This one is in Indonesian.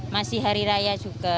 masih hari raya juga